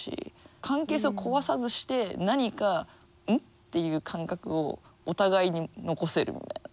関係性を壊さずして何か「ん？」っていう感覚をお互いに残せるみたいな。